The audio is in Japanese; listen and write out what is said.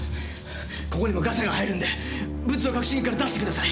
ここにもガサが入るんでブツを隠しに行くから出してください！